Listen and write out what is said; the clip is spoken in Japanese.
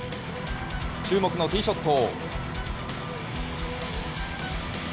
注目のティーショット。